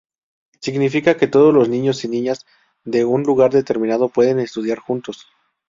Significa que todos los niños y niñas de un lugar determinado pueden estudiar juntos.